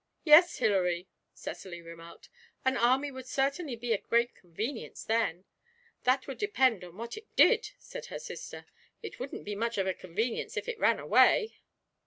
'Yes, Hilary,' Cecily remarked, 'an army would certainly be a great convenience then.' 'That would depend on what it did,' said her sister. 'It wouldn't be much of a convenience if it ran away.'